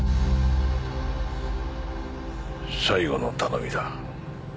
最後の頼みだ。